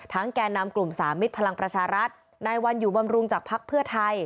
แก่นำกลุ่มสามิตรพลังประชารัฐนายวันอยู่บำรุงจากภักดิ์เพื่อไทย